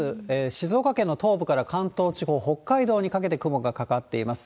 静岡県の東部から関東地方、北海道にかけて雲がかかっています。